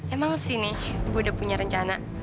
emang sih nih gue udah punya rencana